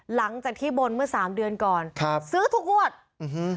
หลังจากที่บนเมื่อสามเดือนก่อนครับซื้อทุกงวดอื้อหือ